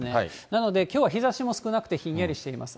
なので、きょうは日ざしも少なくてひんやりしています。